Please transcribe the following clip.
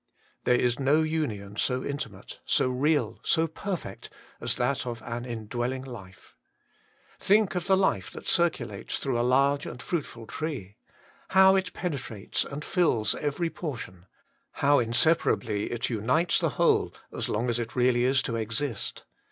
There is no union so intimate, so real, so perfect, as that of an indwelling life. Think of the life that circulates through a large and fruitful tree. How it penetrates and fills every portion ; how inseparably it unites the whole as long as it really is to exist